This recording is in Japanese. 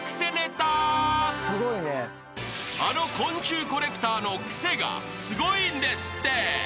［あの昆虫コレクターのクセがスゴいんですって］